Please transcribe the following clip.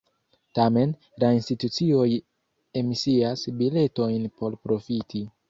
Tamen, la institucioj emisias biletojn por profiti.